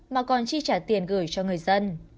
mà còn tri trả tiền gửi cho người dân